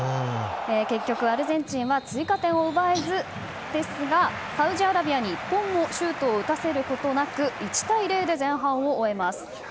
結局アルゼンチンは追加点を奪えずですがサウジアラビアに１本もシュートを打たせることなく１対０で前半を終えます。